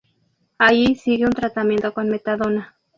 Allí sigue un tratamiento con metadona.